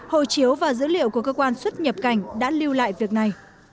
hồ chiếu và dữ liệu của cơ quan xuất nhập cảnh đã lưu lại việc này